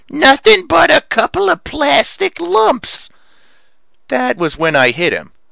Nothing but a couple of plastic lumps " That was when I hit him.